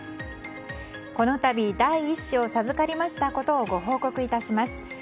この度第１子を授かりましたことをご報告いたします。